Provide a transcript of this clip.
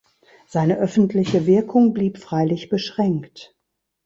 Seine öffentliche Wirkung blieb freilich beschränkt.